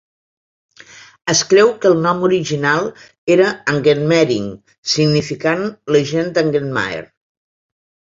Es creu que el nom original era "Angenmaering" significant la gent d'Angenmaer.